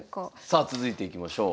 さあ続いていきましょう。